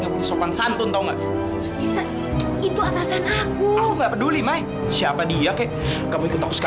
pelayan santun toba itu atasan aku gak peduli mah siapa dia kek kamu ikut juga